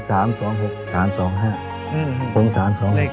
เลขที่ออกรึเปล่า